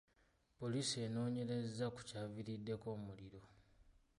Poliisi enoonyereza ku kyaviiriddeko omuliro.